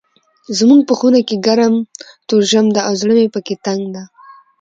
زموږ په خونه کې ګرم توژم ده او زړه مې پکي تنګ ده.